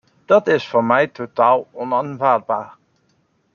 Dat is voor mij totaal onaanvaardbaar.